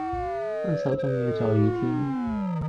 分手總要在雨天